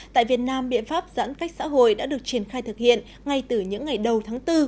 tại việt nam biện pháp giãn cách xã hội đã được triển khai thực hiện ngay từ những ngày đầu tháng bốn